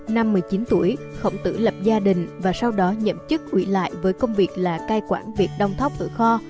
năm một mươi chín tuổi khổng tử lập gia đình và sau đó nhậm chức ủy lại với công việc là cai quản việc đông thóc ở kho